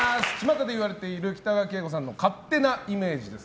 巷で言われている北川景子さんの勝手なイメージです。